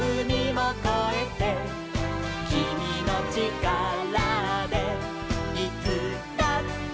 「きみのちからでいつだって」